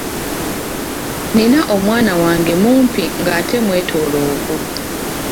Nnina omwana wange mumpi ng'ate mwetooloovu.